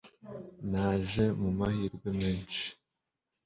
naje mu mahirwe menshi